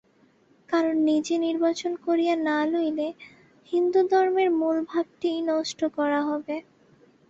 কারণ নিজে নির্বাচন করিয়া না লইলে হিন্দুধর্মের মূলভাবটিই নষ্ট করা হয়।